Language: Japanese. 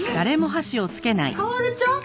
薫ちゃん？